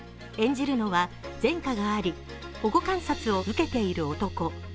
演じるのは、前科があり、保護観察を受けている男。